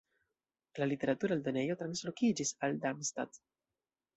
La literatura eldonejo translokiĝis al Darmstadt.